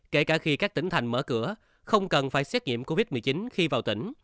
kể cả khi các tỉnh thành mở cửa không cần phải xét nghiệm covid một mươi chín khi vào tỉnh